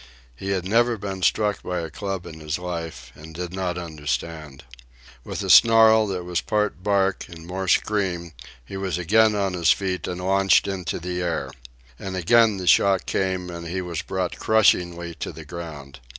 He had never been struck by a club in his life, and did not understand. With a snarl that was part bark and more scream he was again on his feet and launched into the air. And again the shock came and he was brought crushingly to the ground.